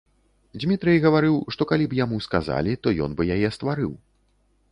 Дзмітрый гаварыў, што калі б яму сказалі, то ён бы яе стварыў.